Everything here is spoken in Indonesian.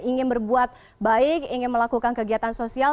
ingin berbuat baik ingin melakukan kegiatan sosial